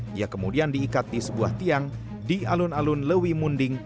dia kemudian diikat di sebuah tiang di alun alun lewi munding